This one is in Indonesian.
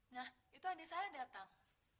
nah itu adik saya datang